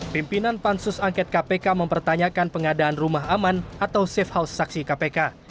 pimpinan pansus angket kpk mempertanyakan pengadaan rumah aman atau safe house saksi kpk